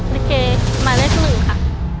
นิเกย์หมายเลข๑ค่ะ